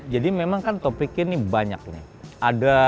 jadi memang kan topiknya nih banyak jadi memang kan topiknya ini banyak